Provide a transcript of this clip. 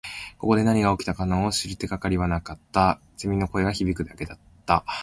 ここで何が起きたのかを知る手がかりはなかった。蝉の声が響くだけだった。